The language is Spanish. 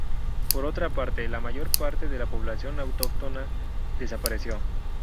Por otra parte, la mayor parte de la población autóctona desapareció.